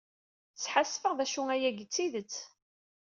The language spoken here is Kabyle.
Sḥasfeɣ d acu ayagi d tidett.